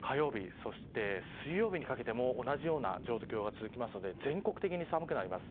そして、水曜日にかけても同じような状況が続くので全国的に寒くなります。